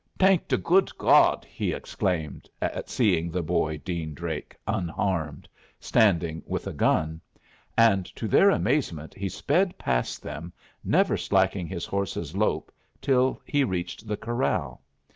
"Thank the good God!" he exclaimed, at seeing the boy Dean Drake unharmed, standing with a gun. And to their amazement he sped past them, never slacking his horse's lope until he reached the corral.